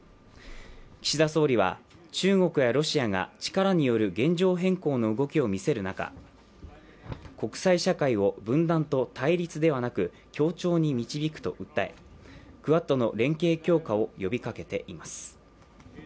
岸田総理は中国やロシアが力による現状変更の動きを見せる中、国際社会を分断と対立ではなく協調に導くと訴えＣｏｍｅＯｎ！